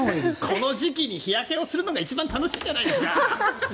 この時期に日焼けをするのが一番楽しいんじゃないですか。